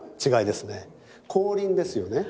光輪ですよね。